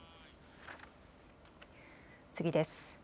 次です。